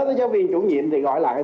tới giáo viên chủ nhiệm thì gọi lại